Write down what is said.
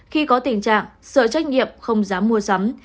khi có tình trạng sợ trách nhiệm không dám mua sắm